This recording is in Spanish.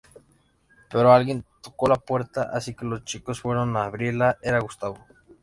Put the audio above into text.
Pero alguien tocó la puerta, así que los chicos fueron a abrirla, era Gustavo.